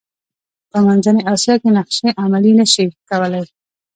په منځنۍ اسیا کې نقشې عملي نه شي کولای.